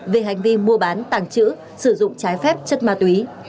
về hành vi mua bán tàng trữ sử dụng trái phép chất ma túy